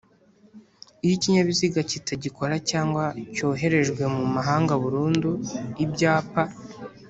Iyo ikinyabiziga kitagikora cyangwa cyoherejwe mu mahanga burundu ibyapa